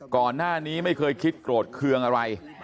ก่อนหน้านี้ไม่เคยคิดโกรธเคืองอะไร